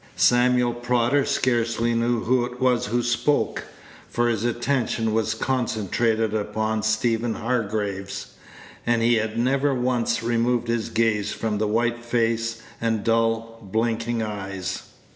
Samuel Prodder scarcely knew who it was who spoke, for his attention was concentrated upon Stephen Hargraves; and he never once removed his gaze from the white face, and dull, blinking eyes.